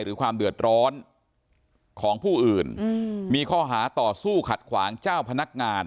หรือความเดือดร้อนของผู้อื่นมีข้อหาต่อสู้ขัดขวางเจ้าพนักงาน